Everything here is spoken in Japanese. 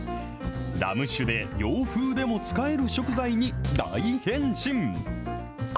ラム酒で、洋風でも使える食材に大変身。